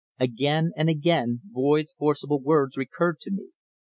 Again and again Boyd's forcible words recurred to me.